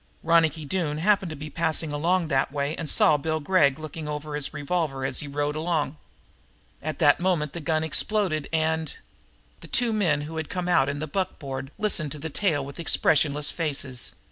Ronicky Doone happened to be passing along that way and saw Bill Gregg looking over his revolver as he rode along. At that moment the gun exploded and The two men who had come out in the buckboard listened to the tale with expressionless faces.